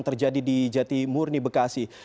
terjadi di jati murni bekasi